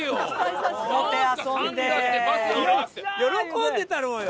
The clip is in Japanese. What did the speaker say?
喜んでたろうよ！